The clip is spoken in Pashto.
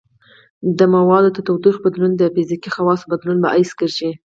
د موادو د تودوخې بدلون د فزیکي خواصو بدلون باعث کیږي.